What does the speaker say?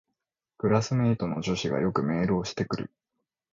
クラスメイトの女子がよくメールをしてくる